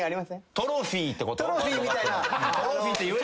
トロフィーって言え。